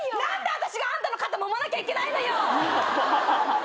何で私があんたの肩もまなきゃいけないのよ！